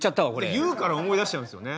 言うから思い出しちゃうんですよね。